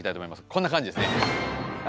こんな感じですね。